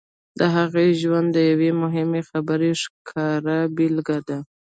د هغې ژوند د یوې مهمې خبرې ښکاره بېلګه ده